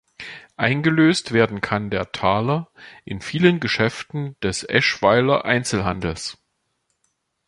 Eingelöst werden kann der Taler in vielen Geschäften des Eschweiler Einzelhandels.